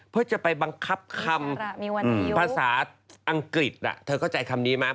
เพื่อจะไปบังคับคำภาษาอังกฤษเธอเข้าใจคำนี้ไหม